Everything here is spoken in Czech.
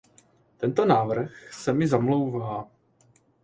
Tento návrh se mi zamlouvá.